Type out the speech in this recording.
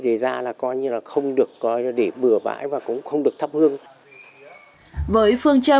đề ra là con như là không được có để bừa vãi và cũng không được thắp hương với phương